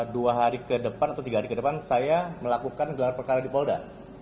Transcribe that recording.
dua hari ke depan atau tiga hari ke depan saya melakukan gelar perkara di polda